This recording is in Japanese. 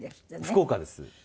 福岡です。